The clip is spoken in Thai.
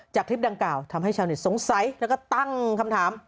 คลิปดังกล่าวทำให้ชาวเน็ตสงสัยแล้วก็ตั้งคำถาม